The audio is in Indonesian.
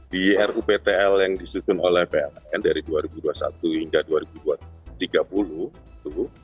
di ruptl yang disusun oleh pln dari dua ribu dua puluh satu hingga dua ribu tiga puluh itu